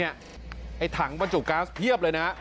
ไอ้ถังบรรจุก๊าซเพียบเลยนะ